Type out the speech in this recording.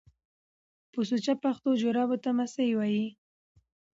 په سوچه پښتو جرابو ته ماسۍ وايي